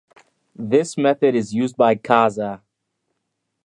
This method is used by Kazaa.